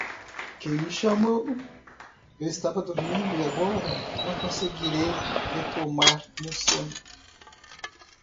Quem me chamou, eu estava dormindo e agora não conseguirei retomar meu sono.